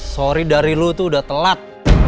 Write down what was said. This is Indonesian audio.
sorry dari lu tuh udah telat